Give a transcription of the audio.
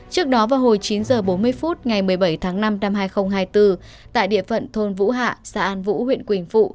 trước đó vào hồi chín h bốn mươi phút ngày một mươi bảy tháng năm năm hai nghìn hai mươi bốn tại địa phận thôn vũ hạ xã an vũ huyện quỳnh phụ